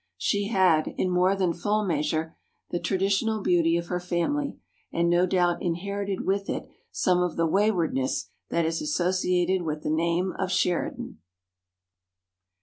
She had, in more than full measure, the traditional beauty of her family, and no doubt inherited with it some of the waywardness that is associated with the name of Sheridan."